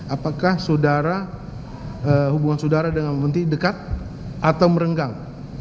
apakah hubungan saudara dengan menteri dekat atau merenggang